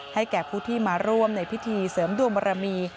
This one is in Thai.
แก่ผู้ที่มาร่วมในพิธีเสริมดวงบรมี